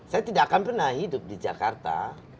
saya tidak akan pernah hidup di jakarta